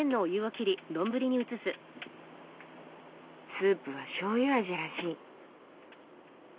スープはしょうゆ味らしい。